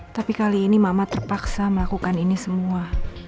tapi kali ini mama terpaksa melakukan ini semua